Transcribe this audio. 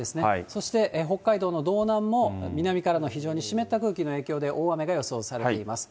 そして北海道の道南も、南からの非常に湿った空気の影響で、大雨が予想されています。